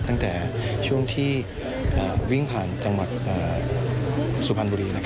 ตั้งแต่ช่วงที่วิ่งผ่านจังหวัดสุพรรณบุรี